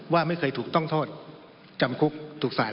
ว่าไม่เคยถูกต้องโทษจำคุกถูกสาร